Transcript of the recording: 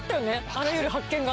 あらゆる発見が。